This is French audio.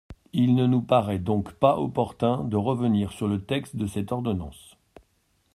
Il ne nous paraît donc pas opportun de revenir sur le texte de cette ordonnance.